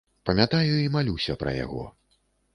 Памятаю і малюся пра яго.